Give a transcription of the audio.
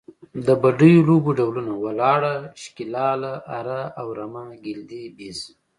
د بډیو لوبو ډولونه، ولاړه، شکیلاله، اره او رمه، ګیلدي، بیز …